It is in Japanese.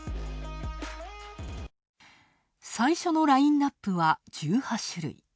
最初のラインナップは１８種類。